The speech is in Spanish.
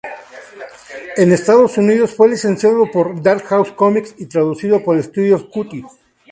En Estados Unidos fue licenciado por Dark Horse Comics y traducido por Studio Cutie.